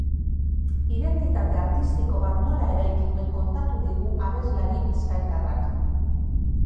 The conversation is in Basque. Identitate artistiko bat nola eraiki duen kontatu digu abeslari bizkaitarrak.